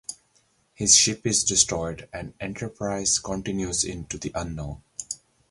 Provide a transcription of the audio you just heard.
His ship is destroyed, and "Enterprise" continues into the unknown.